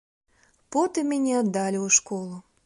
Потым мяне аддалі ў школу.